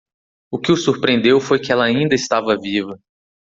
O que o surpreendeu foi que ela ainda estava viva.